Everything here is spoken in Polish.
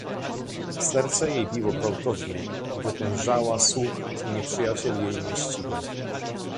"Serce jej biło gwałtownie i wytężała słuch, czy nieprzyjaciel jej nie ściga."